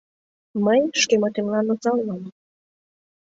Мый шке мутемлан оза улам!